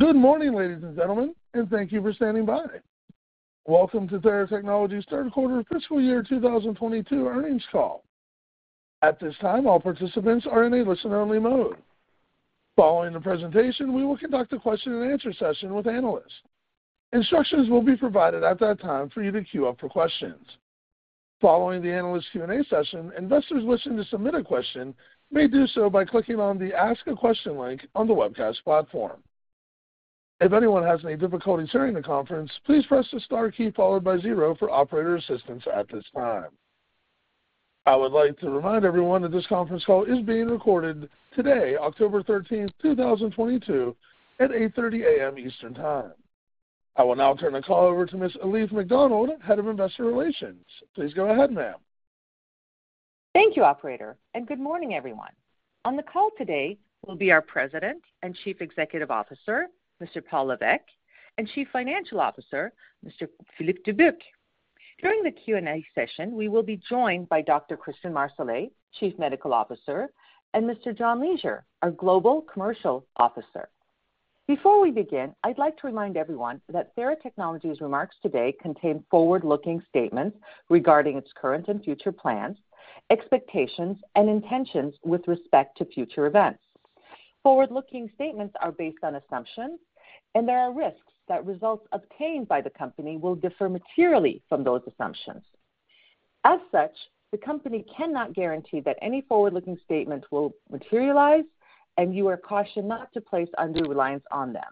Good morning, ladies and gentlemen, and thank you for standing by. Welcome to Theratechnologies Inc.'s third quarter fiscal year 2022 earnings call. At this time, all participants are in a listen-only mode. Following the presentation, we will conduct a question-and-answer session with analysts. Instructions will be provided at that time for you to queue up for questions. Following the analyst Q&A session, investors wishing to submit a question may do so by clicking on the Ask a Question link on the webcast platform. If anyone has any difficulty during the conference, please press the star key followed by zero for operator assistance at this time. I would like to remind everyone that this conference call is being recorded today, October 13, 2022, at 8:30 A.M. Eastern Time. I will now turn the call over to Ms. Elif McDonald, Head of Investor Relations. Please go ahead, ma'am. Thank you, operator, and good morning, everyone. On the call today will be our President and Chief Executive Officer, Mr. Paul Lévesque, and Chief Financial Officer, Mr. Philippe Dubuc. During the Q&A session, we will be joined by Dr. Christian Marsolais, Chief Medical Officer, and Mr. John Leasure, our Global Commercial Officer. Before we begin, I'd like to remind everyone that Theratechnologies Inc. remarks today contain forward-looking statements regarding its current and future plans, expectations, and intentions with respect to future events. Forward-looking statements are based on assumptions, and there are risks that results obtained by the company will differ materially from those assumptions. As such, the company cannot guarantee that any forward-looking statements will materialize, and you are cautioned not to place undue reliance on them.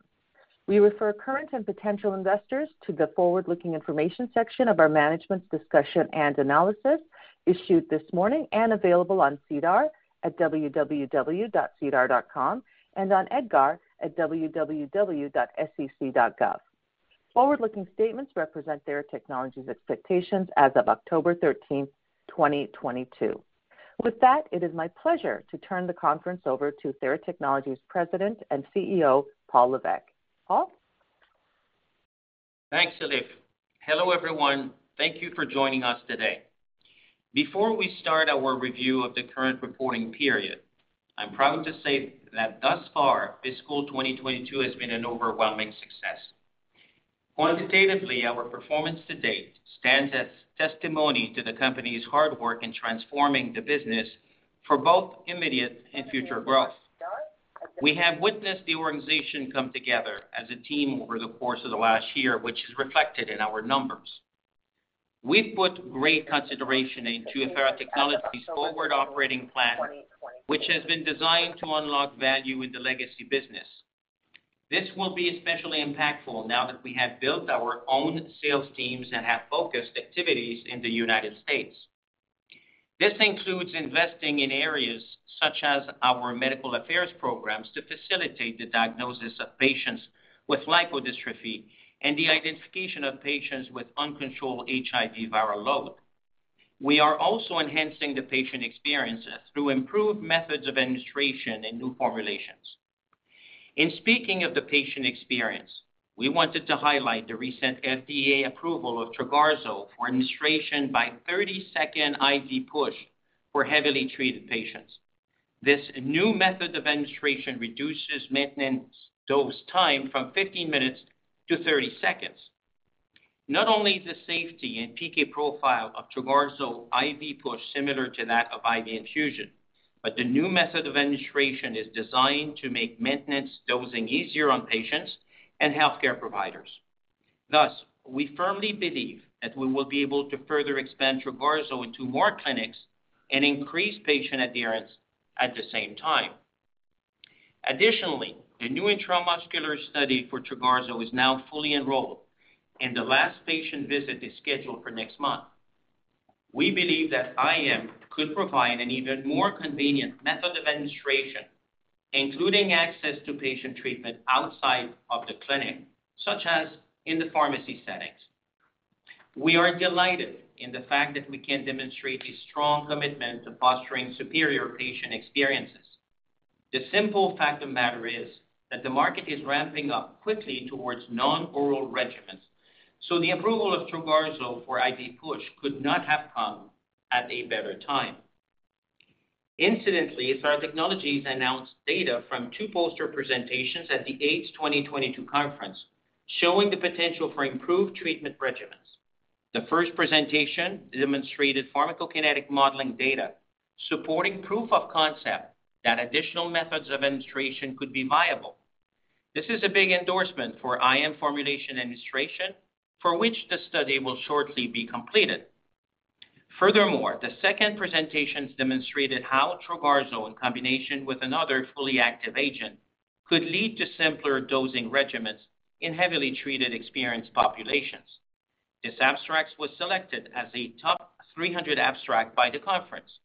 We refer current and potential investors to the forward-looking information section of our management's discussion and analysis issued this morning and available on SEDAR at www.sedar.com and on EDGAR at www.sec.gov. Forward-looking statements represent Theratechnologies Inc. expectations as of October 13, 2022. With that, it is my pleasure to turn the conference over to Theratechnologies Inc. President and CEO, Paul Lévesque. Paul? Thanks, Elif. Hello, everyone. Thank you for joining us today. Before we start our review of the current reporting period, I'm proud to say that thus far, fiscal 2022 has been an overwhelming success. Quantitatively, our performance to date stands as testimony to the company's hard work in transforming the business for both immediate and future growth. We have witnessed the organization come together as a team over the course of the last year, which is reflected in our numbers. We've put great consideration into Theratechnologies' forward operating plan, which has been designed to unlock value in the legacy business. This will be especially impactful now that we have built our own sales teams and have focused activities in the United States. This includes investing in areas such as our medical affairs programs to facilitate the diagnosis of patients with lipodystrophy and the identification of patients with uncontrolled HIV viral load. We are also enhancing the patient experiences through improved methods of administration and new formulations. In speaking of the patient experience, we wanted to highlight the recent FDA approval of Trogarzo for administration by 30-second IV push for heavily treated patients. This new method of administration reduces maintenance dose time from 15 minutes to 30 seconds. Not only is the safety and PK profile of Trogarzo IV push similar to that of IV infusion, but the new method of administration is designed to make maintenance dosing easier on patients and healthcare providers. Thus, we firmly believe that we will be able to further expand Trogarzo into more clinics and increase patient adherence at the same time. Additionally, the new intramuscular study for Trogarzo is now fully enrolled, and the last patient visit is scheduled for next month. We believe that IM could provide an even more convenient method of administration, including access to patient treatment outside of the clinic, such as in the pharmacy settings. We are delighted in the fact that we can demonstrate a strong commitment to fostering superior patient experiences. The simple fact of the matter is that the market is ramping up quickly towards non-oral regimens, so the approval of Trogarzo for IV push could not have come at a better time. Incidentally, Theratechnologies announced data from two poster presentations at the AIDS 2022 conference showing the potential for improved treatment regimens. The first presentation demonstrated pharmacokinetic modeling data supporting proof of concept that additional methods of administration could be viable. This is a big endorsement for IM formulation administration, for which the study will shortly be completed. Furthermore, the second presentations demonstrated how Trogarzo, in combination with another fully active agent, could lead to simpler dosing regimens in heavily treated experienced populations. This abstract was selected as a top 300 abstract by the conference.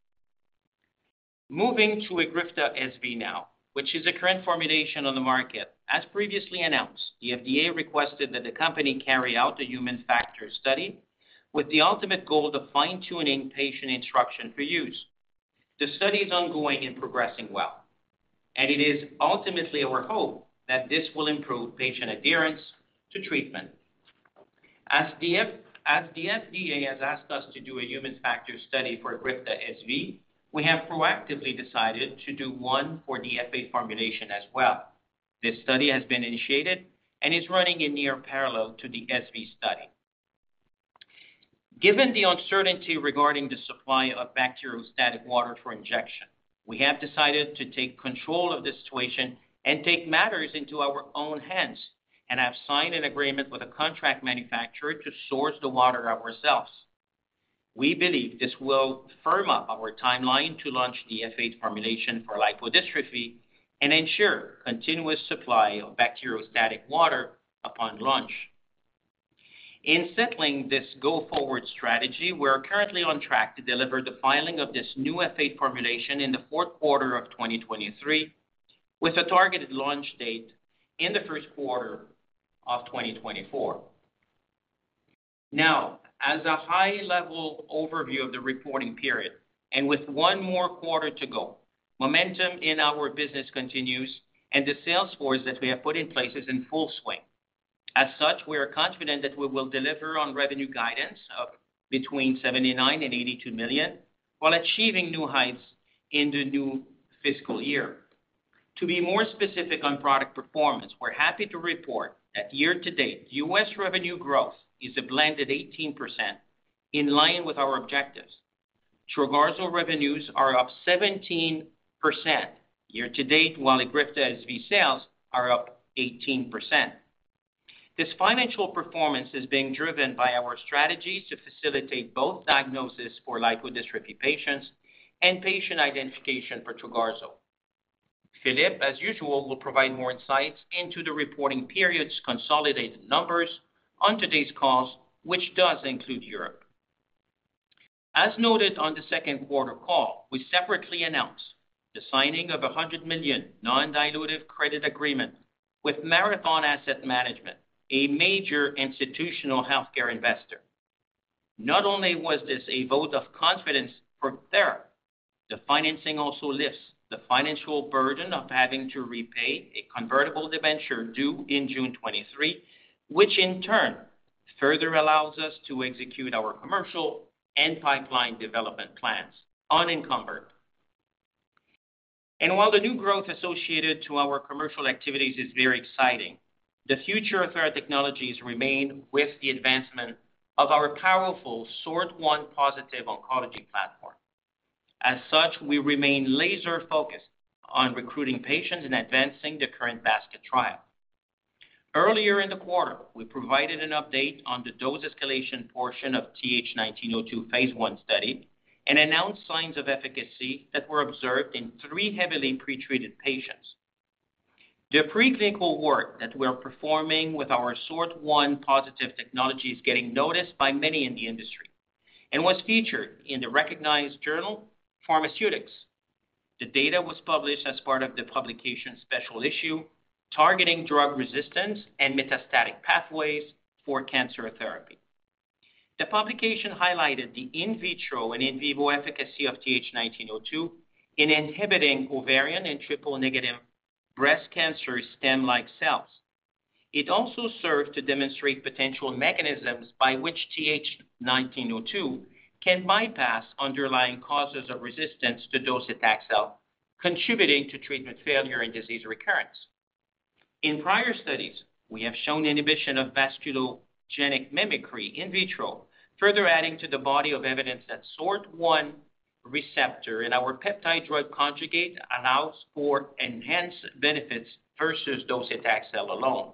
Moving to EGRIFTA SV now, which is a current formulation on the market. As previously announced, the FDA requested that the company carry out the human factors study with the ultimate goal of fine-tuning patient instruction for use. The study is ongoing and progressing well, and it is ultimately our hope that this will improve patient adherence to treatment. As the FDA has asked us to do a human factors study for EGRIFTA SV, we have proactively decided to do one for the F8 formulation as well. This study has been initiated and is running in near parallel to the SV study. Given the uncertainty regarding the supply of bacteriostatic water for injection, we have decided to take control of the situation and take matters into our own hands and have signed an agreement with a contract manufacturer to source the water ourselves. We believe this will firm up our timeline to launch the F8 formulation for lipodystrophy and ensure continuous supply of bacteriostatic water upon launch. In settling this go-forward strategy, we're currently on track to deliver the filing of this new F8 formulation in the fourth quarter of 2023, with a targeted launch date in the first quarter of 2024. Now, as a high-level overview of the reporting period, with one more quarter to go, momentum in our business continues, and the sales force that we have put in place is in full swing. We are confident that we will deliver on revenue guidance of between $79 million and $82 million, while achieving new heights in the new fiscal year. To be more specific on product performance, we're happy to report that year-to-date US revenue growth is a blended 18%, in line with our objectives. Trogarzo revenues are up 17% year-to-date, while EGRIFTA SV sales are up 18%. This financial performance is being driven by our strategies to facilitate both diagnosis for lipodystrophy patients and patient identification for Trogarzo. Philippe, as usual, will provide more insights into the reporting period's consolidated numbers on today's call, which does include Europe. As noted on the second quarter call, we separately announced the signing of $100 million non-dilutive credit agreement with Marathon Asset Management, a major institutional healthcare investor. Not only was this a vote of confidence for Theratechnologies, the financing also lifts the financial burden of having to repay a convertible debenture due in June 2023. Which in turn further allows us to execute our commercial and pipeline development plans unencumbered. While the new growth associated to our commercial activities is very exciting, the future of Theratechnologies remain with the advancement of our powerful SORT1 positive oncology platform. As such, we remain laser-focused on recruiting patients and advancing the current basket trial. Earlier in the quarter, we provided an update on the dose escalation portion of TH1902 phase I study and announced signs of efficacy that were observed in three heavily pretreated patients. The preclinical work that we're performing with our SORT1-positive technology is getting noticed by many in the industry and was featured in the recognized journal, Pharmaceutics. The data was published as part of the publication's special issue, Targeting Drug Resistance and Metastatic Pathways for Cancer Therapy. The publication highlighted the in vitro and in vivo efficacy of TH1902 in inhibiting Ovarian and Triple-Negative Breast Cancer stem-like cells. It also served to demonstrate potential mechanisms by which TH1902 can bypass underlying causes of resistance to docetaxel, contributing to treatment failure and disease recurrence. In prior studies, we have shown inhibition of vasculogenic mimicry in vitro, further adding to the body of evidence that SORT1 receptor in our peptide-drug conjugate allows for enhanced benefits versus docetaxel alone.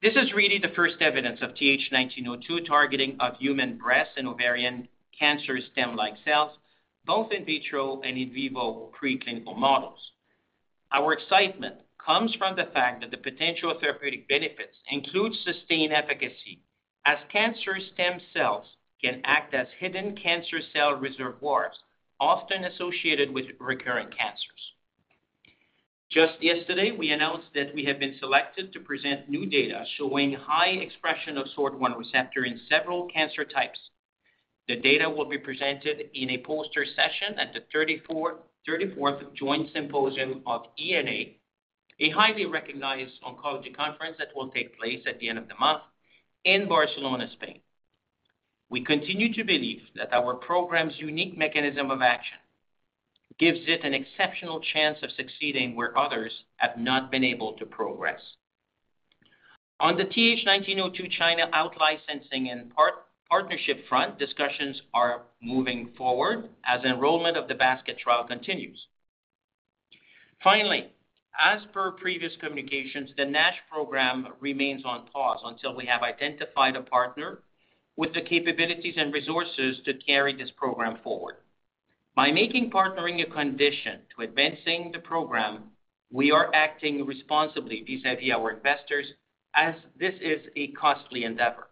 This is really the first evidence of TH1902 targeting of human breast and ovarian cancer stem-like cells, both in vitro and in vivo preclinical models. Our excitement comes from the fact that the potential therapeutic benefits include sustained efficacy, as cancer stem cells can act as hidden cancer cell reservoirs, often associated with recurring cancers. Just yesterday, we announced that we have been selected to present new data showing high expression of SORT1 receptor in several cancer types. The data will be presented in a poster session at the 34th Joint Symposium of ENA, a highly recognized oncology conference that will take place at the end of the month in Barcelona, Spain. We continue to believe that our program's unique mechanism of action gives it an exceptional chance of succeeding where others have not been able to progress. On the TH1902 China out-license and partnership front, discussions are moving forward as enrollment of the basket trial continues. Finally, as per previous communications, the NASH program remains on pause until we have identified a partner with the capabilities and resources to carry this program forward. By making partnering a condition to advancing the program, we are acting responsibly vis-à-vis our investors as this is a costly endeavor.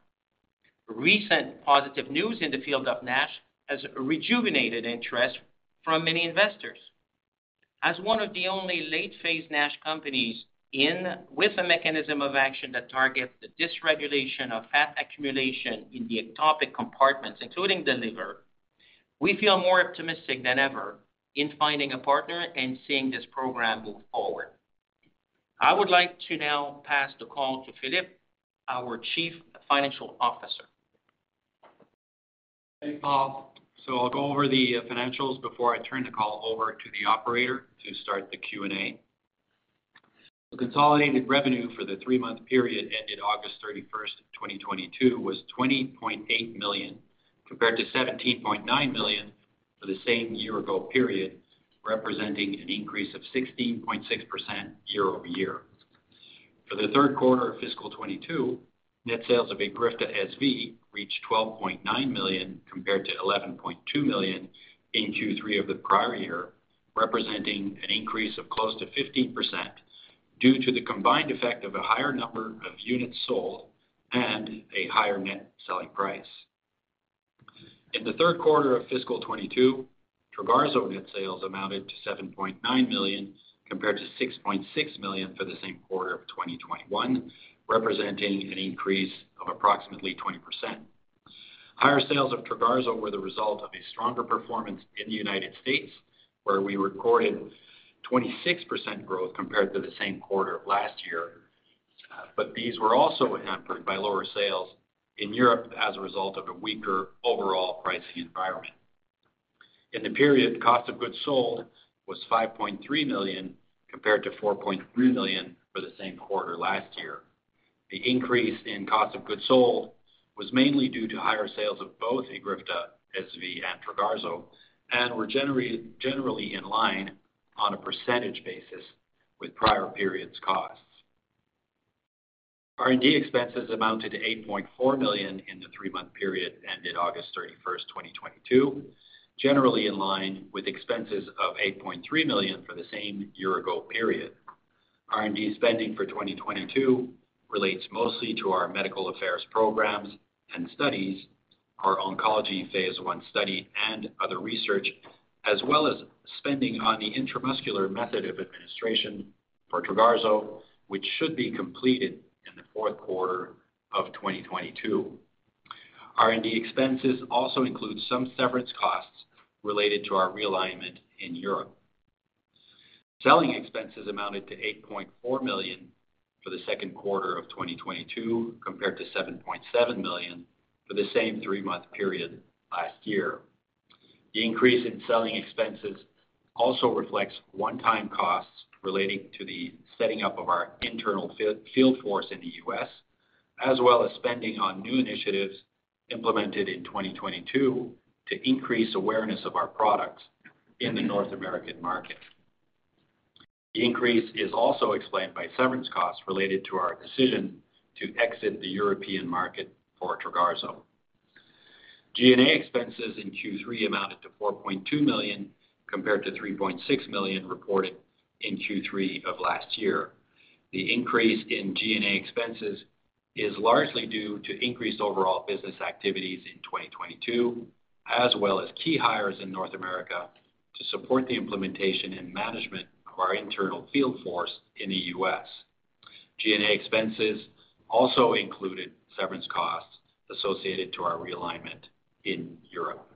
Recent positive news in the field of NASH has rejuvenated interest from many investors. As one of the only late-phase NASH companies in with a mechanism of action that targets the dysregulation of fat accumulation in the ectopic compartments, including the liver, we feel more optimistic than ever in finding a partner and seeing this program move forward. I would like to now pass the call to Philippe, our Chief Financial Officer. Hey, Paul. I'll go over the financials before I turn the call over to the operator to start the Q&A. The consolidated revenue for the three-month period ended August 31, 2022, was $20.8 million, compared to $17.9 million for the same year ago period, representing an increase of 16.6% year-over-year. For the third quarter of fiscal 2022, net sales of EGRIFTA SV reached $12.9 million compared to $11.2 million in Q3 of the prior year, representing an increase of close to 15% due to the combined effect of a higher number of units sold and a higher net selling price. In the third quarter of fiscal 2022, Trogarzo net sales amounted to $7.9 million compared to $6.6 million for the same quarter of 2021, representing an increase of approximately 20%. Higher sales of Trogarzo were the result of a stronger performance in the United States, where we recorded 26% growth compared to the same quarter of last year. These were also hampered by lower sales in Europe as a result of a weaker overall pricing environment. In the period, cost of goods sold was $5.3 million compared to $4.3 million for the same quarter last year. The increase in cost of goods sold was mainly due to higher sales of both EGRIFTA SV and Trogarzo and were generally in line on a percentage basis with prior periods costs. R&D expenses amounted to $8.4 million in the three-month period ended August 31, 2022, generally in line with expenses of $8.3 million for the same year-ago period. R&D spending for 2022 relates mostly to our medical affairs programs and studies, our oncology phase I study, and other research, as well as spending on the intramuscular method of administration for Trogarzo, which should be completed in the fourth quarter of 2022. R&D expenses also include some severance costs related to our realignment in Europe. Selling expenses amounted to $8.4 million for the second quarter of 2022, compared to $7.7 million for the same three-month period last year. The increase in selling expenses also reflects one-time costs relating to the setting up of our internal field force in the US, as well as spending on new initiatives implemented in 2022 to increase awareness of our products in the North American market. The increase is also explained by severance costs related to our decision to exit the European market for Trogarzo. G&A expenses in Q3 amounted to $4.2 million compared to $3.6 million reported in Q3 of last year. The increase in G&A expenses is largely due to increased overall business activities in 2022, as well as key hires in North America to support the implementation and management of our internal field force in the US. G&A expenses also included severance costs associated to our realignment in Europe.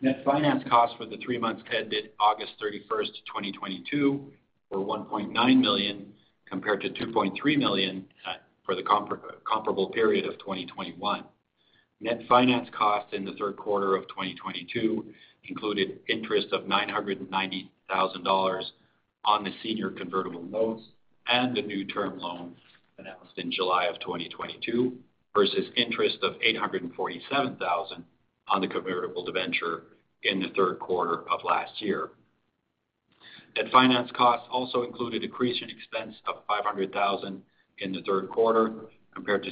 Net finance costs for the three months ended August 31, 2022, were $1.9 million compared to $2.3 million for the comparable period of 2021. Net finance costs in the third quarter of 2022 included interest of $990,000 on the senior convertible notes and the new term loan announced in July 2022 versus interest of $847,000 on the convertible debenture in the third quarter of last year. Net finance costs also include a decrease in expense of $500,000 in the third quarter compared to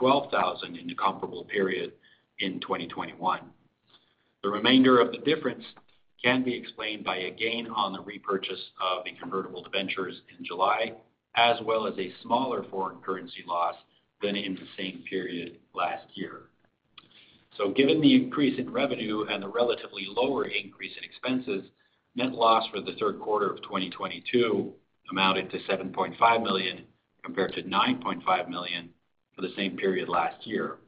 $612,000 in the comparable period in 2021. The remainder of the difference can be explained by a gain on the repurchase of the convertible debentures in July, as well as a smaller foreign currency loss than in the same period last year. Given the increase in revenue and the relatively lower increase in expenses, net loss for the third quarter of 2022 amounted to $7.5 million compared to $9.5 million for the same period last year.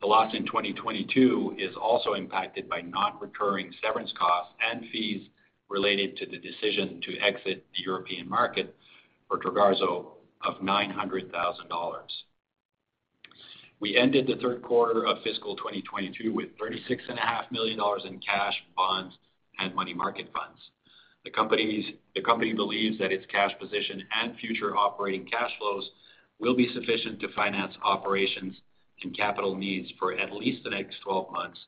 The loss in 2022 is also impacted by non-recurring severance costs and fees related to the decision to exit the European market for Trogarzo of $900,000. We ended the third quarter of fiscal 2022 with $36.5 million in cash, bonds, and money market funds. The company believes that its cash position and future operating cash flows will be sufficient to finance operations and capital needs for at least the next 12 months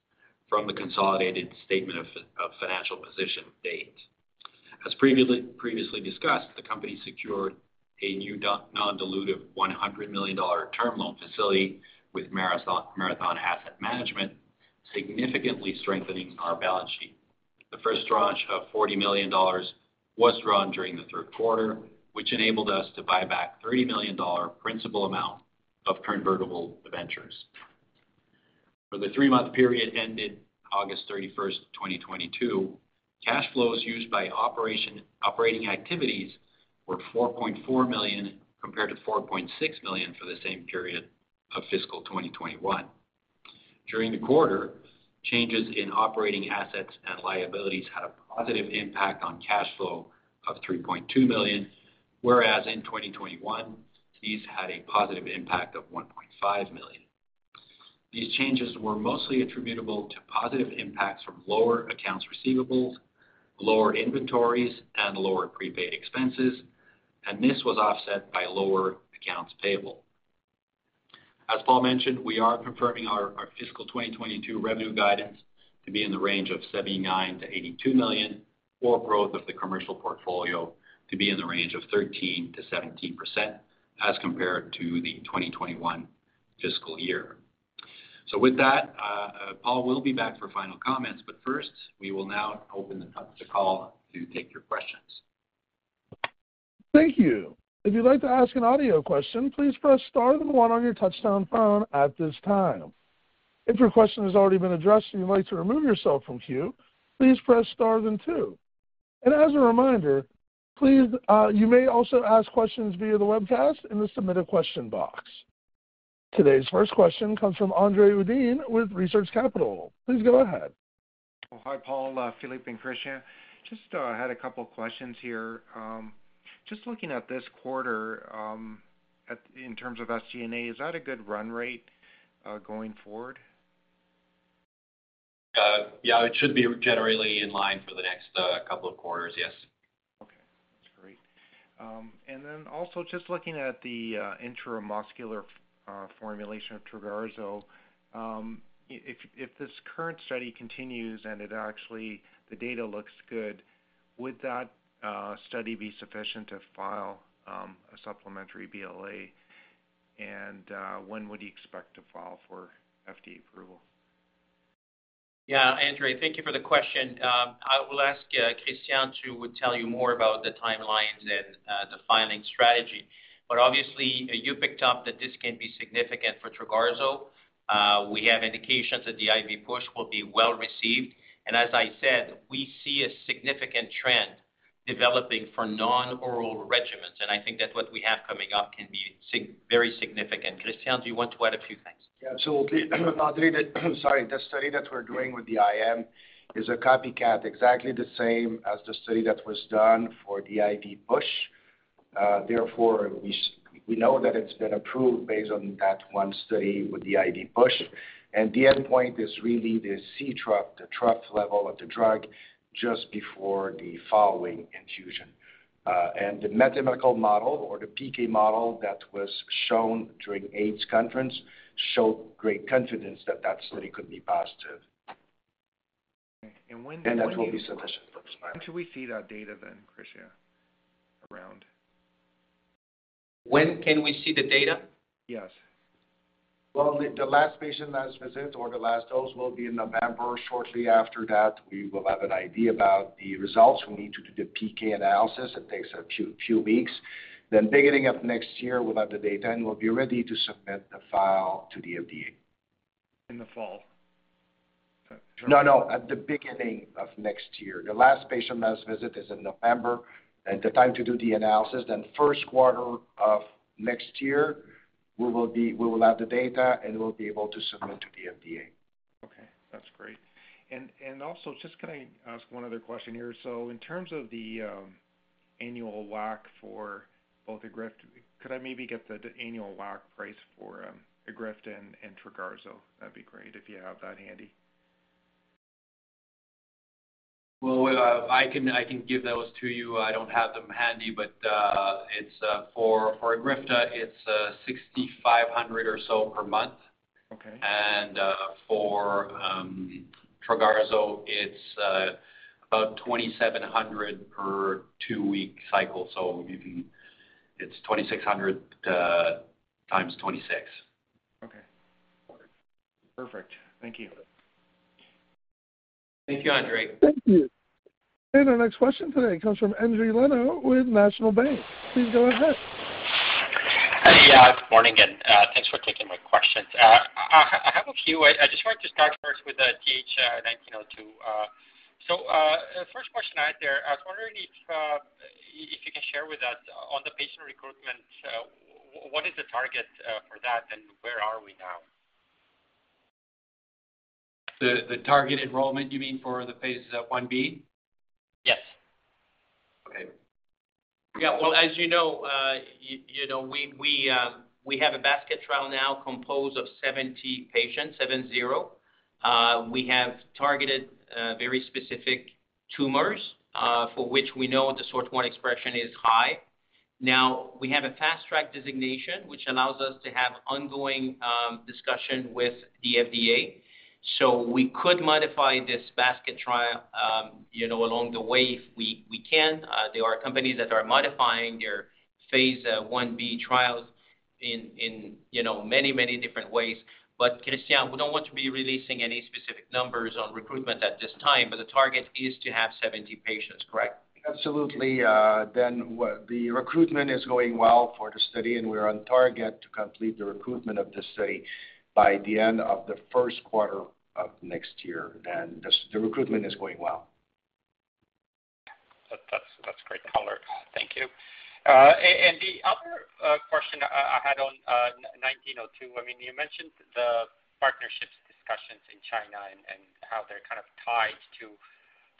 from the consolidated statement of financial position date. As previously discussed, the company secured a new non-dilutive $100 million term loan facility with Marathon Asset Management, significantly strengthening our balance sheet. The first tranche of $40 million was drawn during the third quarter, which enabled us to buy back $30 million principal amount of convertible debentures. For the three-month period ended August 31, 2022, cash flows used in operating activities were $4.4 million compared to $4.6 million for the same period of fiscal 2021. During the quarter, changes in operating assets and liabilities had a positive impact on cash flow of $3.2 million, whereas in 2021, these had a positive impact of $1.5 million. These changes were mostly attributable to positive impacts from lower accounts receivable, lower inventories, and lower prepaid expenses, and this was offset by lower accounts payable. As Paul mentioned, we are confirming our fiscal 2022 revenue guidance to be in the range of $79 million-$82 million, or growth of the commercial portfolio to be in the range of 13%-17% as compared to the 2021 fiscal year. With that, Paul Lévesque will be back for final comments, but first, we will now open the call to take your questions. Thank you. If you'd like to ask an audio question, please press star then one on your touchtone phone at this time. If your question has already been addressed and you'd like to remove yourself from queue, please press star then two. As a reminder, please, you may also ask questions via the webcast in the Submit a Question box. Today's first question comes from Andre Uddin with Research Capital. Please go ahead. Well, hi, Paul, Philippe, and Christian. Just had a couple questions here. Just looking at this quarter, in terms of SG&A, is that a good run rate, going forward? Yeah, it should be generally in line for the next couple of quarters. Yes. Okay. That's great. Also just looking at the intramuscular formulation of Trogarzo. If this current study continues, and the data looks good, would that study be sufficient to file a supplementary BLA? When would you expect to file for FDA approval? Yeah. Andre, thank you for the question. I will ask Christian to tell you more about the timelines and the filing strategy. Obviously, you picked up that this can be significant for Trogarzo. We have indications that the IV push will be well received. As I said, we see a significant trend developing for non-oral regimens. I think that what we have coming up can be very significant. Christian, do you want to add a few things? Yeah, absolutely. Andre, the study that we're doing with the IM is a copycat, exactly the same as the study that was done for the IV push. Therefore, we know that it's been approved based on that one study with the IV push. The endpoint is really the C trough, the trough level of the drug just before the following infusion. The mathematical model or the PK model that was shown during AIDS Conference showed great confidence that that study could be positive. Okay. When do you- That will be sufficient for the filing. When should we see that data then, Christian, around? When can we see the data? Yes. Well, the last patient last visit or the last dose will be in November. Shortly after that, we will have an idea about the results. We need to do the PK analysis. It takes a few weeks. Beginning of next year, we'll have the data, and we'll be ready to submit the file to the FDA. In the fall? No, no. At the beginning of next year. The last patient last visit is in November, and the time to do the analysis. First quarter of next year, we will have the data, and we'll be able to submit to the FDA. Okay. That's great. Also, just can I ask one other question here? In terms of the annual WAC for both EGRIFTA, could I maybe get the annual WAC price for EGRIFTA and Trogarzo? That'd be great if you have that handy. Well, I can give those to you. I don't have them handy. It's for EGRIFTA, it's $6,500 or so per month. Okay. For Trogarzo, it's about $2,700 per two-week cycle. It's $2,600 times 26. Okay. All right. Perfect. Thank you. Thank you, Andre. Thank you. Our next question today comes from Endri Leno with National Bank. Please go ahead. Hey. Yeah, good morning, and thanks for taking my questions. I have a few. I just wanted to start first with TH1902. First question I had there. I was wondering if you can share with us on the patient recruitment, what is the target for that, and where are we now? The target enrollment you mean for the phase Ib? Yes. Okay. Yeah. Well, as you know, you know, we have a basket trial now composed of 70 patients. We have targeted very specific tumors for which we know the SORT1 expression is high. Now, we have a Fast Track designation, which allows us to have ongoing discussion with the FDA, so we could modify this basket trial you know, along the way if we can. There are companies that are modifying their phase Ib trials in many different ways. Christian, we don't want to be releasing any specific numbers on recruitment at this time, but the target is to have 70 patients, correct? Absolutely. The recruitment is going well for the study, and we're on target to complete the recruitment of the study by the end of the first quarter of next year. The recruitment is going well. Thank you. The other question I had on TH1902, I mean, you mentioned the partnership discussions in China and how they're kind of tied to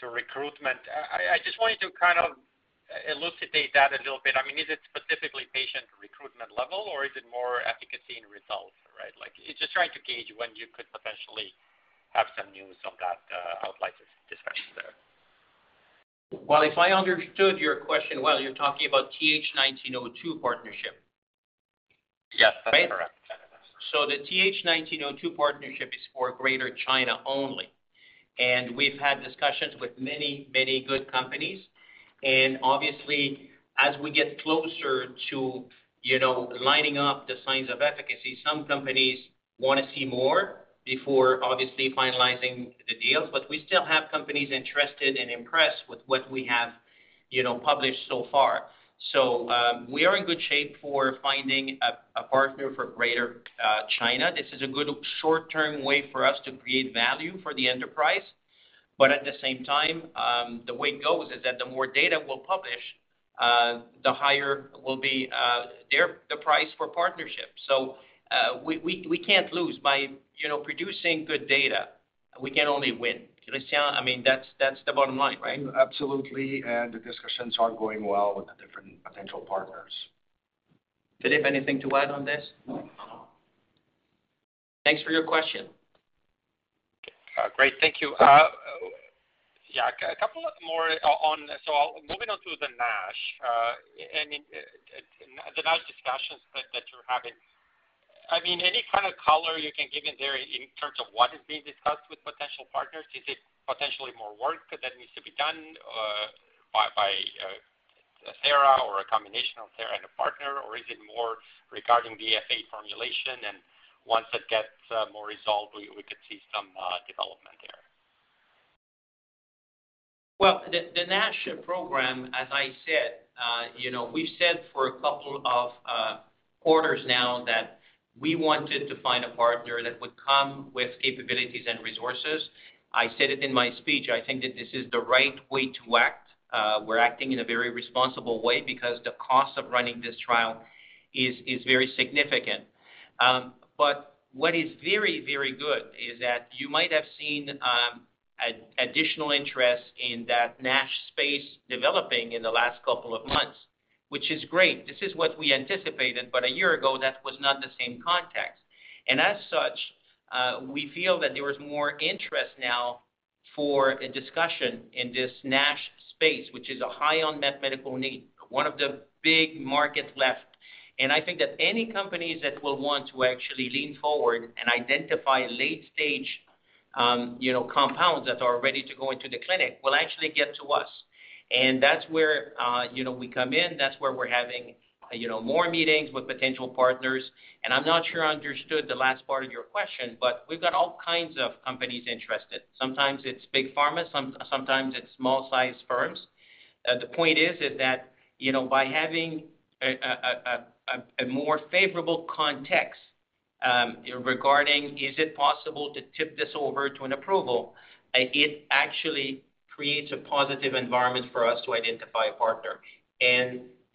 recruitment. I just wanted to kind of elucidate that a little bit. I mean, is it specifically patient recruitment level, or is it more efficacy and results, right? Like, just trying to gauge when you could potentially have some news on that outlook discussion there. Well, if I understood your question well, you're talking about TH 1902 partnership. Yes, that's correct. The TH1902 partnership is for Greater China only. We've had discussions with many, many good companies. Obviously, as we get closer to, you know, lining up the signs of efficacy, some companies wanna see more before obviously finalizing the deals. We still have companies interested and impressed with what we have, you know, published so far. We are in good shape for finding a partner for Greater China. This is a good short-term way for us to create value for the enterprise. At the same time, the way it goes is that the more data we'll publish, the higher will be the price for partnership. We can't lose by, you know, producing good data. We can only win. Christian, I mean that's the bottom line, right? Absolutely. The discussions are going well with the different potential partners. Philippe, anything to add on this? No. Thanks for your question. Great. Thank you. Yeah, a couple more. Moving on to the NASH. The NASH discussions that you're having. I mean, any kind of color you can give in there in terms of what is being discussed with potential partners? Is it potentially more work that needs to be done by Thera or a combination of Thera and a partner, or is it more regarding the F8 formulation, and once it gets more resolved, we could see some development there? Well, the NASH program, as I said, you know, we've said for a couple of quarters now that we wanted to find a partner that would come with capabilities and resources. I said it in my speech. I think that this is the right way to act. We're acting in a very responsible way because the cost of running this trial is very significant. What is very, very good is that you might have seen additional interest in that NASH space developing in the last couple of months, which is great. This is what we anticipated, but a year ago, that was not the same context. We feel that there is more interest now for a discussion in this NASH space, which is a high unmet medical need, one of the big markets left. I think that any companies that will want to actually lean forward and identify late stage, you know, compounds that are ready to go into the clinic will actually get to us. That's where, you know, we come in. That's where we're having, you know, more meetings with potential partners. I'm not sure I understood the last part of your question, but we've got all kinds of companies interested. Sometimes it's big pharma, sometimes it's small-sized firms. The point is that, you know, by having a more favorable context, regarding is it possible to tip this over to an approval, it actually creates a positive environment for us to identify a partner.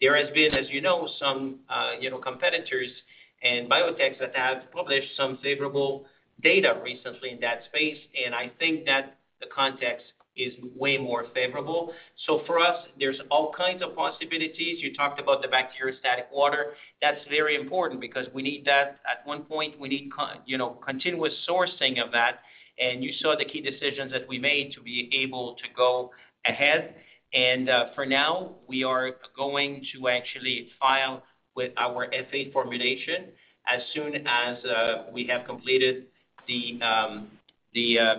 There has been, as you know, some you know, competitors and biotechs that have published some favorable data recently in that space, and I think that the context is way more favorable. For us, there's all kinds of possibilities. You talked about the bacteriostatic water. That's very important because we need that at one point. We need, you know, continuous sourcing of that, and you saw the key decisions that we made to be able to go ahead. For now, we are going to actually file with our F8 formulation as soon as we have completed the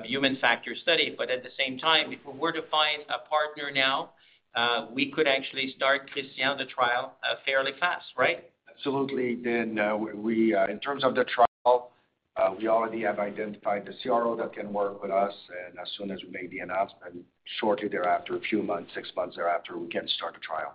human factor study. But at the same time, if we were to find a partner now, we could actually start, Christian, the trial fairly fast, right? Absolutely. We, in terms of the trial, we already have identified the CRO that can work with us. As soon as we make the announcement, shortly thereafter, a few months, six months thereafter, we can start the trial.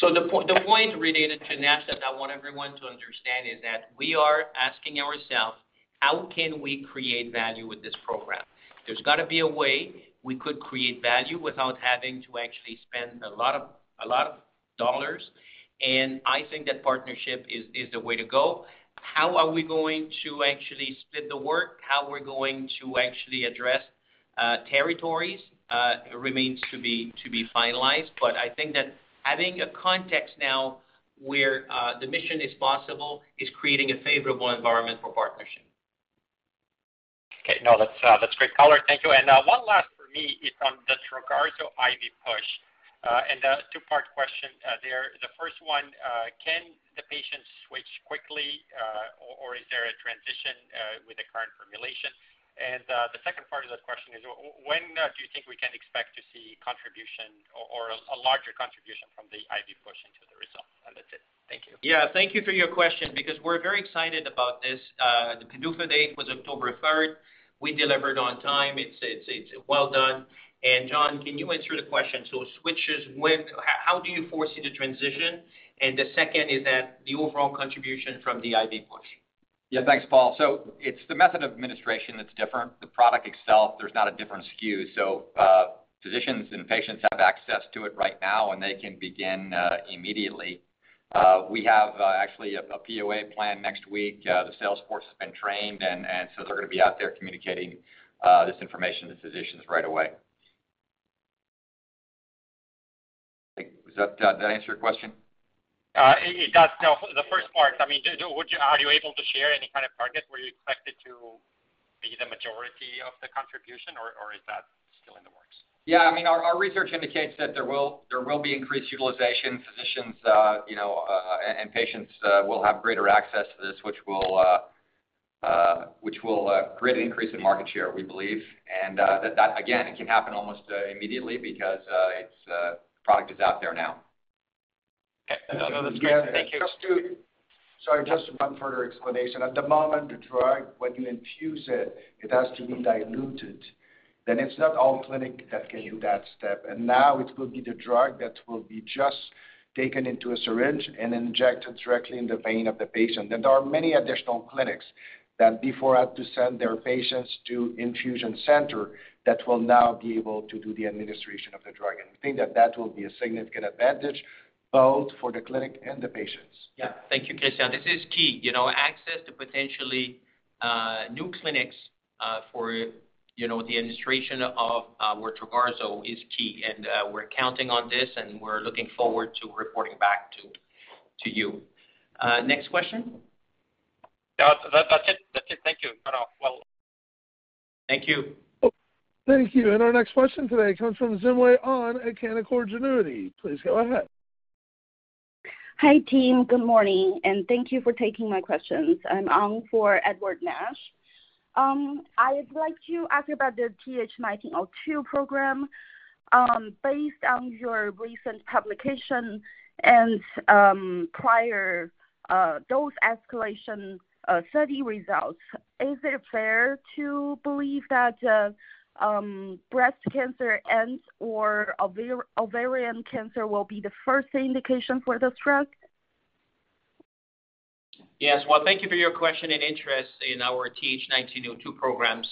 The point related to NASH that I want everyone to understand is that we are asking ourselves, "How can we create value with this program?" There's got to be a way we could create value without having to actually spend a lot of dollars, and I think that partnership is the way to go. How are we going to actually split the work? How we're going to actually address territories remains to be finalized. I think that having a context now where the mission is possible is creating a favorable environment for partnership. Okay. No, that's great color. Thank you. One last for me is on the Trogarzo IV push. A two-part question there. The first one, can the patient switch quickly, or is there a transition with the current formulation? The second part of that question is when do you think we can expect to see contribution or a larger contribution from the IV push into the result? That's it. Thank you. Yeah. Thank you for your question because we're very excited about this. The PDUFA date was October third. We delivered on time. It's well done. John, can you answer the question? How do you foresee the transition? The second is that the overall contribution from the IV push. Yeah. Thanks, Paul. It's the method of administration that's different. The product itself, there's not a different SKU, so physicians and patients have access to it right now, and they can begin immediately. We have actually a POA plan next week. The sales force has been trained and so they're gonna be out there communicating this information to physicians right away. Does that answer your question? It does. The first part, I mean, are you able to share any kind of targets where you expect it to be the majority of the contribution or is that still in the works? I mean, our research indicates that there will be increased utilization. Physicians, you know, and patients will have greater access to this, which will greatly increase the market share, we believe. That again, it can happen almost immediately because the product is out there now. Okay. Thank you. Sorry, just one further explanation. At the moment, the drug, when you infuse it has to be diluted. It's not all clinics that can do that step. Now it will be the drug that will be just taken into a syringe and injected directly into the vein of the patient. There are many additional clinics that before had to send their patients to infusion centers that will now be able to do the administration of the drug. We think that that will be a significant advantage both for the clinics and the patients. Yeah. Thank you, Christian. This is key. You know, access to potentially new clinics for, you know, the administration of our Trogarzo is key, and we're counting on this, and we're looking forward to reporting back to you. Next question? That's it. Thank you. Well. Thank you. Thank you. Our next question today comes from Xin Wei Ong at Canaccord Genuity. Please go ahead. Hi, team. Good morning and thank you for taking my questions. I'm Ong for Edward Nash. I would like to ask you about the TH1902 program. Based on your recent publication and prior dose escalation study results, is it fair to believe that breast cancer and/or ovarian cancer will be the first indication for this drug? Yes. Well, thank you for your question and interest in our TH1902 program.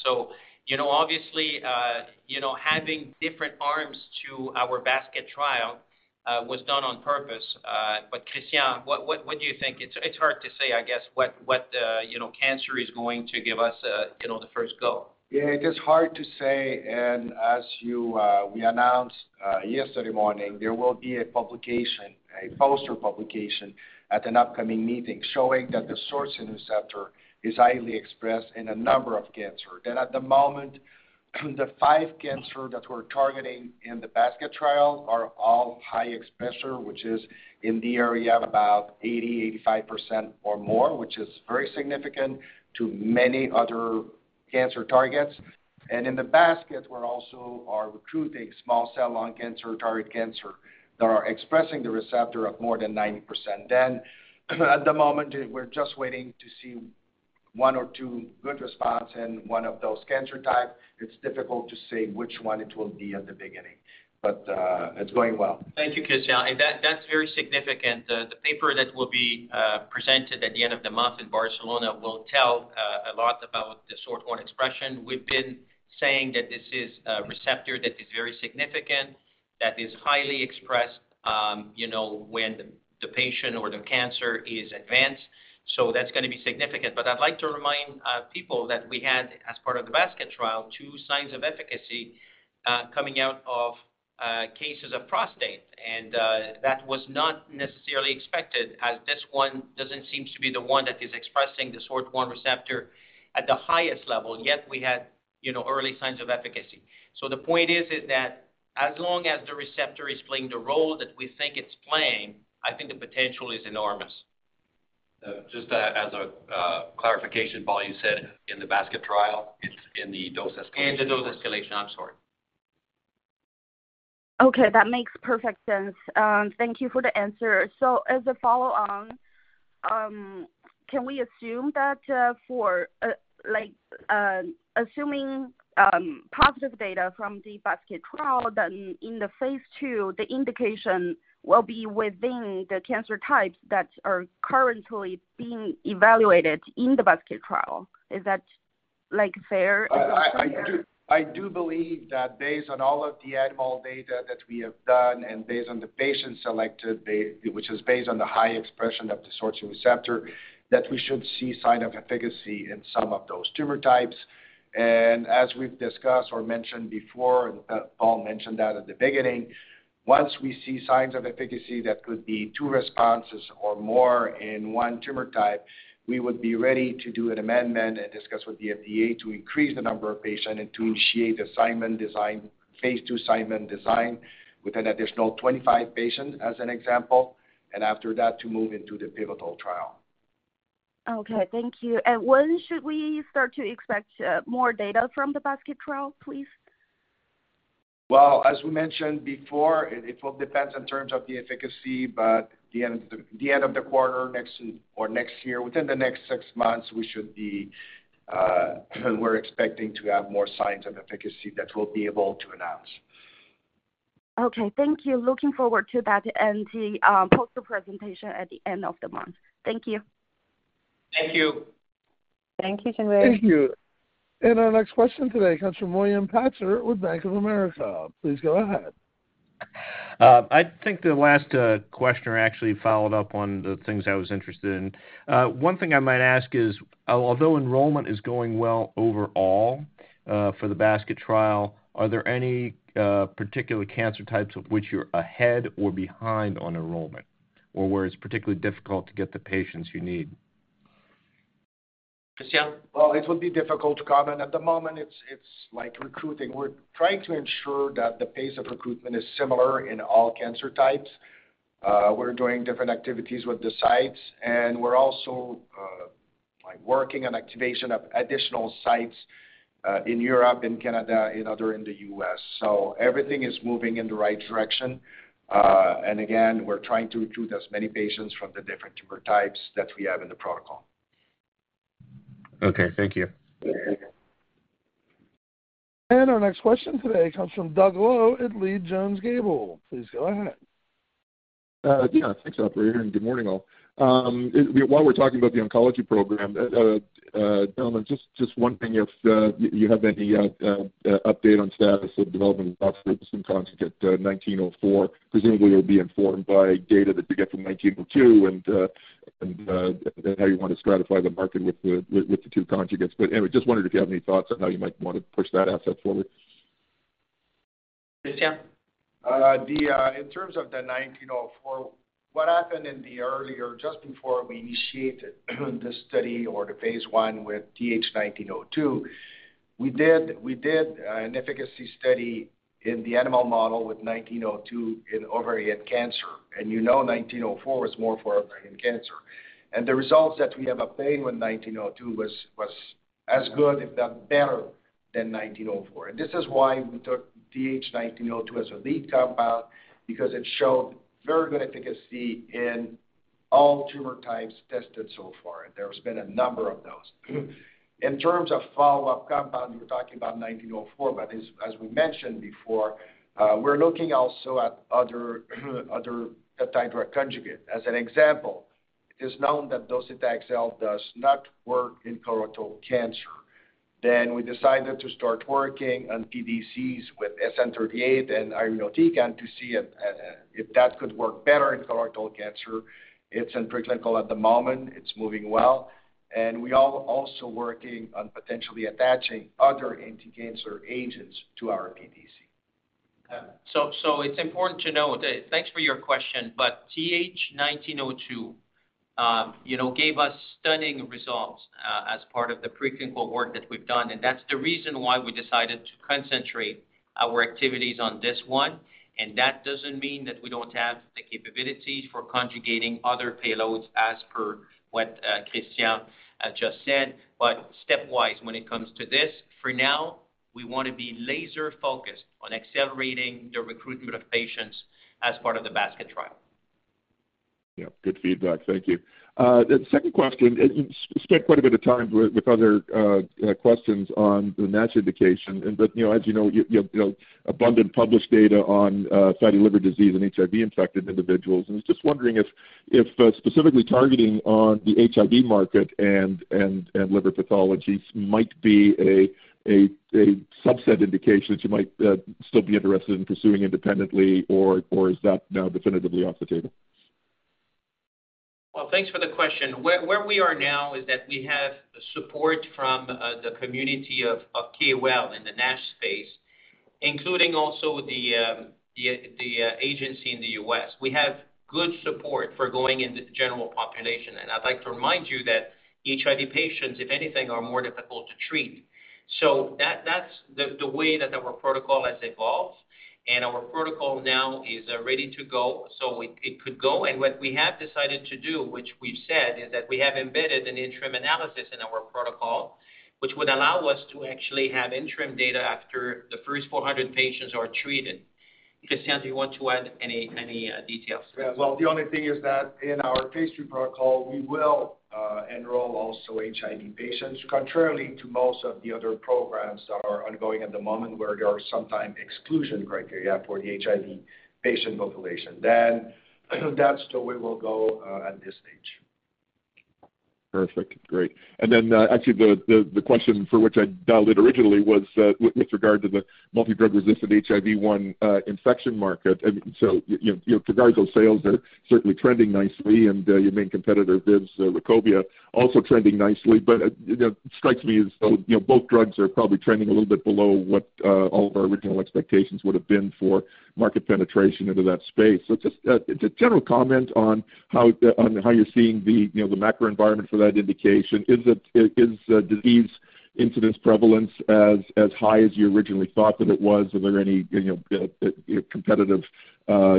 You know, obviously, you know, having different arms to our basket trial was done on purpose. Christian, what do you think? It's hard to say, I guess, what you know, cancer is going to give us you know, the first go. Yeah, it is hard to say. As you know, we announced yesterday morning, there will be a publication, a poster publication at an upcoming meeting showing that the SORT1 receptor is highly expressed in a number of cancers. At the moment, the five cancers that we're targeting in the basket trial are all high expressers, which is in the area of about 80-85% or more, which is very significant to many other cancer targets. In the basket, we're also recruiting small cell lung cancer, targeted cancers that are expressing the receptor of more than 90%. At the moment, we're just waiting to see one or two good responses in one of those cancer types. It's difficult to say which one it will be at the beginning. It's going well. Thank you, Christian. That's very significant. The paper that will be presented at the end of the month in Barcelona will tell a lot about the SORT1 expression. We've been saying that this is a receptor that is very significant, that is highly expressed, you know, when the patient or the cancer is advanced. That's gonna be significant. I'd like to remind people that we had, as part of the basket trial, two signs of efficacy coming out of cases of prostate. That was not necessarily expected as this one doesn't seem to be the one that is expressing the SORT1 receptor at the highest level, yet we had, you know, early signs of efficacy. The point is that as long as the receptor is playing the role that we think it's playing, I think the potential is enormous. Just as a clarification, Paul, you said in the basket trial, it's in the dose escalation. The dose escalation. I'm sorry. Okay, that makes perfect sense. Thank you for the answer. As a follow on, can we assume that assuming positive data from the basket trial, then in the phase II, the indication will be within the cancer types that are currently being evaluated in the basket trial. Is that, like, fair? I do believe that based on all of the animal data that we have done and based on the patients selected which is based on the high expression of the SORT1 receptor, that we should see sign of efficacy in some of those tumor types. As we've discussed or mentioned before, Paul mentioned that at the beginning, once we see signs of efficacy, that could be two responses or more in one tumor type, we would be ready to do an amendment and discuss with the FDA to increase the number of patients and to initiate the expansion design, phase II expansion design with an additional 25 patients as an example. After that, to move into the pivotal trial. Okay, thank you. When should we start to expect more data from the basket trial, please? Well, as we mentioned before, it all depends in terms of the efficacy, but the end of the quarter next or next year, within the next six months, we're expecting to have more signs of efficacy that we'll be able to announce. Okay, thank you. Looking forward to that and the poster presentation at the end of the month. Thank you. Thank you. Thank you, Xin Wei. Thank you. Our next question today comes from William Patzer with Bank of America. Please go ahead. I think the last questioner actually followed up on the things I was interested in. One thing I might ask is, although enrollment is going well overall, for the basket trial, are there any particular cancer types of which you're ahead or behind on enrollment or where it's particularly difficult to get the patients you need? Christian? Well, it would be difficult to comment. At the moment, it's like recruiting. We're trying to ensure that the pace of recruitment is similar in all cancer types. We're doing different activities with the sites, and we're also like working on activation of additional sites in Europe and Canada, and others in the US. Everything is moving in the right direction. Again, we're trying to recruit as many patients from the different tumor types that we have in the protocol. Okay, thank you. Our next question today comes from Doug Loe at Leede Jones Gable. Please go ahead. Yeah, thanks, operator, and good morning, all. While we're talking about the oncology program, gentlemen, just one thing if you have any update on status of development prospects in TH1904. Presumably, it'll be informed by data that you get from TH1902 and how you want to stratify the market with the two conjugates. Anyway, just wondered if you have any thoughts on how you might wanna push that asset forward. Christian? In terms of the 1904, what happened earlier, just before we initiated the study or the phase I with TH1902, we did an efficacy study in the animal model with 1902 in ovarian cancer. You know, 1904 is more for ovarian cancer. The results that we have obtained with 1902 was as good, if not better than 1904. This is why we took TH1902 as a lead compound because it showed very good efficacy in all tumor types tested so far. There's been a number of those. In terms of follow-up compound, you're talking about 1904, but as we mentioned before, we're looking also at other peptide conjugates. As an example, it is known that docetaxel does not work in colorectal cancer. We decided to start working on PDCs with SN-38 and irinotecan to see if that could work better in colorectal cancer. It's in preclinical at the moment. It's moving well. We are also working on potentially attaching other anti-cancer agents to our PDC. Thanks for your question, but TH1902 gave us stunning results as part of the pre-clinical work that we've done, and that's the reason why we decided to concentrate our activities on this one. That doesn't mean that we don't have the capabilities for conjugating other payloads as per what Christian just said. Stepwise, when it comes to this, for now, we wanna be laser-focused on accelerating the recruitment of patients as part of the basket trial. Yeah. Good feedback. Thank you. The second question, you spent quite a bit of time with other questions on the NASH indication. You know, as you know, you have you know, abundant published data on fatty liver disease in HIV-infected individuals. I was just wondering if specifically targeting on the HIV market and liver pathologies might be a subset indication that you might still be interested in pursuing independently, or is that now definitively off the table? Well, thanks for the question. Where we are now is that we have support from the community of KOL in the NASH space, including also the agency in the US. We have good support for going into the general population. I'd like to remind you that HIV patients, if anything, are more difficult to treat. That's the way that our protocol has evolved, and our protocol now is ready to go, so it could go. What we have decided to do, which we've said, is that we have embedded an interim analysis in our protocol, which would allow us to actually have interim data after the first 400 patients are treated. Christian, do you want to add any details? Yeah. Well, the only thing is that in our phase III protocol, we will enroll also HIV patients, contrary to most of the other programs that are ongoing at the moment where there are sometimes exclusion criteria for the HIV patient population. That's the way we'll go at this stage. Perfect. Great. Then actually the question for which I dialed in originally was with regard to the multidrug-resistant HIV-1 infection market. You know, Trogarzo sales are certainly trending nicely, and your main competitor, ViiV's Rukobia, also trending nicely. You know, it strikes me as though you know, both drugs are probably trending a little bit below what all of our original expectations would have been for market penetration into that space. Just a general comment on how you're seeing the macro environment for that indication. Is it disease incidence prevalence as high as you originally thought that it was? Are there any, you know, competitive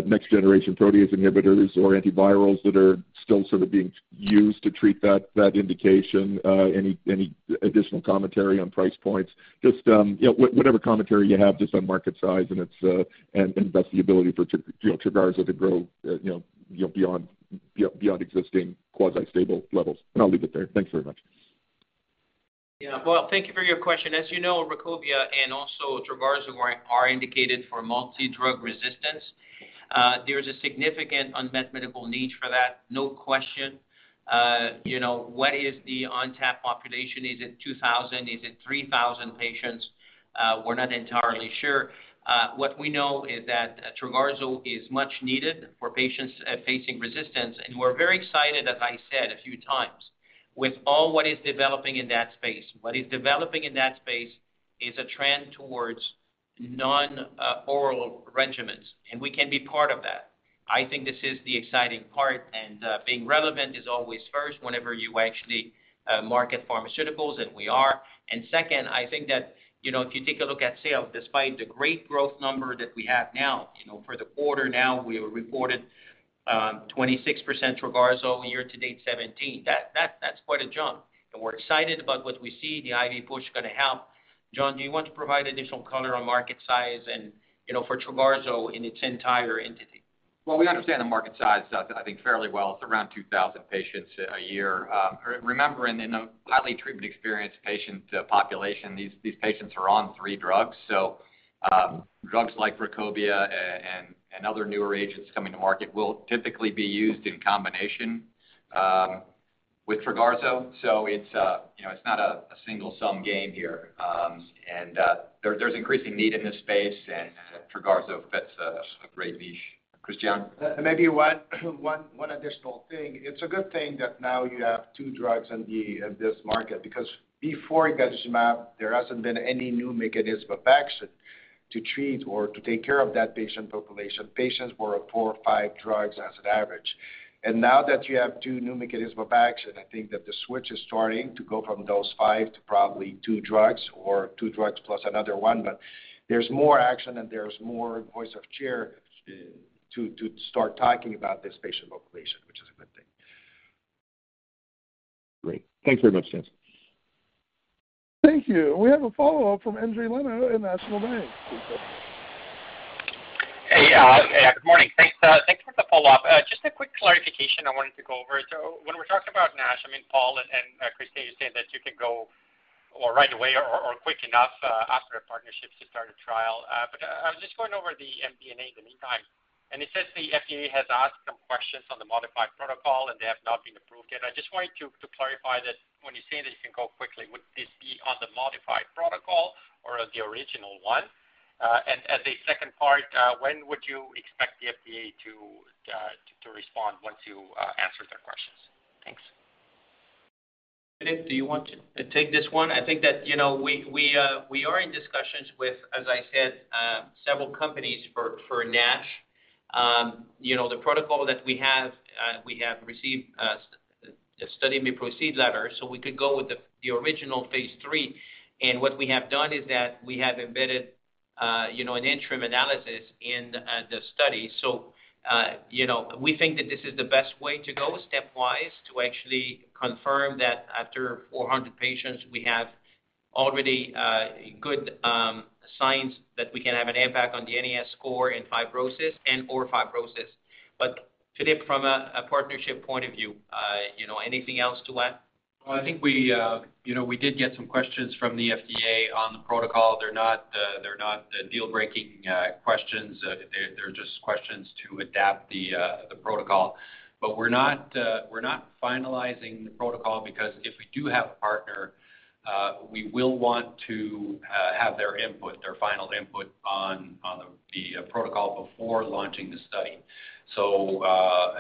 next generation protease inhibitors or antivirals that are still sort of being used to treat that indication? Any additional commentary on price points? Just, you know, whatever commentary you have just on market size and its, and thus the ability for Trogarzo to grow, you know, beyond existing quasi-stable levels. I'll leave it there. Thanks very much. Yeah. Well, thank you for your question. As you know, Rukobia and also Trogarzo are indicated for multidrug-resistant. There's a significant unmet medical need for that, no question. You know, what is the untapped population? Is it 2,000? Is it 3,000 patients? We're not entirely sure. What we know is that Trogarzo is much needed for patients, facing resistance, and we're very excited, as I said a few times, with all what is developing in that space. What is developing in that space is a trend towards non-oral regimens, and we can be part of that. I think this is the exciting part, and being relevant is always first whenever you actually, market pharmaceuticals, and we are. Second, I think that, you know, if you take a look at sales, despite the great growth number that we have now, you know, for the quarter now we have reported, 26% Trogarzo, year to date 17%. That's quite a jump, and we're excited about what we see. The IV push is gonna help. John, do you want to provide additional color on market size and, you know, for Trogarzo in its entirety? Well, we understand the market size, I think fairly well. It's around 2,000 patients a year. Remembering in a highly treatment experienced patient population, these patients are on three drugs. So, drugs like Rukobia and other newer agents coming to market will typically be used in combination with Trogarzo. So, it's, you know, it's not a single sum game here. There's increasing need in this space, and Trogarzo fits a great niche. Christian? Maybe one additional thing. It's a good thing that now you have two drugs in this market, because before fostemsavir, there hasn't been any new mechanism of action to treat or to take care of that patient population. Patients were on four or five drugs as an average. Now that you have two new mechanisms of action, I think that the switch is starting to go from those five to probably two drugs or two drugs plus another one. There's more action and there's more share of voice to start talking about this patient population, which is a good thing. Great. Thanks very much, guys. Thank you. We have a follow-up from Endri Leno at National Bank. Hey, good morning. Thanks for the follow-up. Just a quick clarification I wanted to go over. When we're talking about NASH, I mean, Paul Lévesque and Christian Marsolais, you're saying that you can go right away or quick enough after a partnership to start a trial. But I was just going over the MD&A in the meantime, and it says the FDA has asked some questions on the modified protocol, and they have not been approved yet. I just wanted to clarify that when you're saying that you can go quickly, would this be on the modified protocol or the original one? And as a second part, when would you expect the FDA to respond once you answer their questions? Thanks. Philippe, do you want to take this one? I think that, you know, we are in discussions with, as I said, several companies for NASH. You know, the protocol that we have, we have received a study may proceed letter, so we could go with the original phase III. What we have done is that we have embedded, you know, an interim analysis in the study. We think that this is the best way to go stepwise to actually confirm that after 400 patients, we have already good signs that we can have an impact on the NAS score and fibrosis. Philippe, from a partnership point of view, you know, anything else to add? Well, I think, you know, we did get some questions from the FDA on the protocol. They're not deal-breaking questions. They're just questions to adapt the protocol. We're not finalizing the protocol because if we do have a partner, we will want to have their input, their final input on the protocol before launching the study.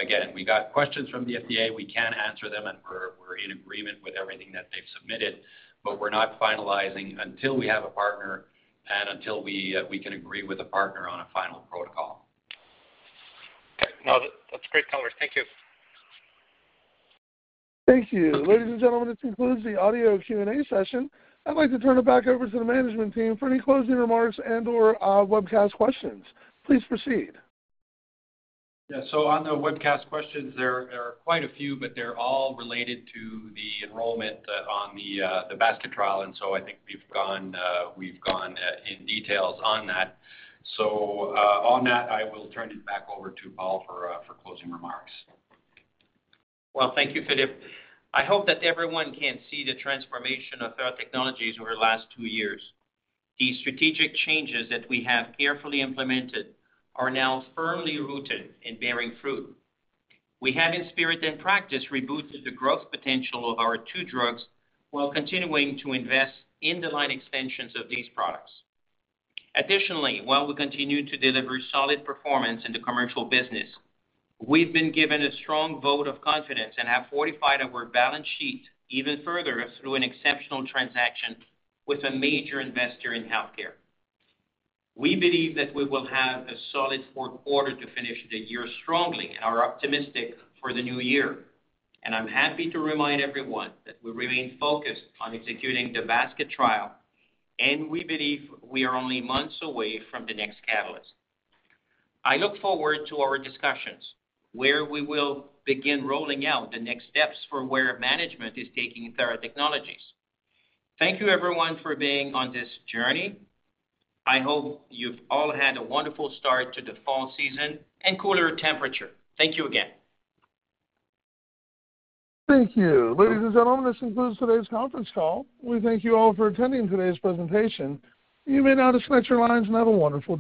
Again, we got questions from the FDA. We can answer them, and we're in agreement with everything that they've submitted, but we're not finalizing until we have a partner and until we can agree with a partner on a final protocol. Okay. No, that's great color. Thank you. Thank you. Ladies and gentlemen, this concludes the audio Q&A session. I'd like to turn it back over to the management team for any closing remarks and/or webcast questions. Please proceed. On the webcast questions, there are quite a few, but they're all related to the enrollment on the basket trial, and I think we've gone into details on that. On that, I will turn it back over to Paul for closing remarks. Well, thank you, Philippe. I hope that everyone can see the transformation of Theratechnologies over the last two years. These strategic changes that we have carefully implemented are now firmly rooted in bearing fruit. We have, in spirit and practice, rebooted the growth potential of our two drugs while continuing to invest in the line extensions of these products. Additionally, while we continue to deliver solid performance in the commercial business, we've been given a strong vote of confidence and have fortified our balance sheet even further through an exceptional transaction with a major investor in healthcare. We believe that we will have a solid fourth quarter to finish the year strongly and are optimistic for the new year. I'm happy to remind everyone that we remain focused on executing the basket trial, and we believe we are only months away from the next catalyst. I look forward to our discussions where we will begin rolling out the next steps for where management is taking Theratechnologies. Thank you everyone for being on this journey. I hope you've all had a wonderful start to the fall season and cooler temperature. Thank you again. Thank you. Ladies and gentlemen, this concludes today's conference call. We thank you all for attending today's presentation. You may now disconnect your lines and have a wonderful day.